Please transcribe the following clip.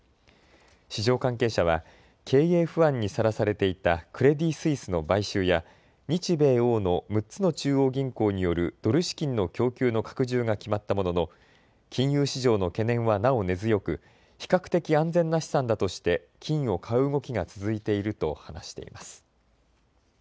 市場関係者は経営不安にさらされていたクレディ・スイスの買収や日米欧の６つの中央銀行によるドル資金の供給の拡充が決まったものの金融市場の懸念はなお根強く比較的安全な資産だとして金を買う動きが続いていると話しています。